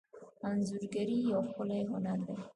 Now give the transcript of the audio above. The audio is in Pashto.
انځورګري یو ښکلی هنر دی.